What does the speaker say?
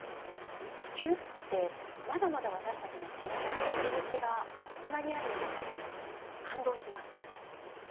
地球ってまだまだ私たちの知らない領域がこんなにあるんだと感動しましたね。